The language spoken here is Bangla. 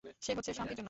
সে হচ্ছে শান্তির জন্য।